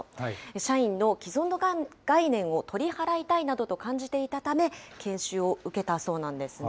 社員の既存の概念を取り払いたいなどと感じていたため、研修を受けたそうなんですね。